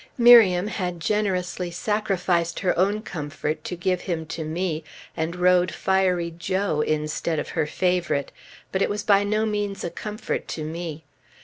Miriam had generously sacrificed her own comfort to give him to me; and rode fiery Joe instead of her favorite. But it was by no means a comfort to me.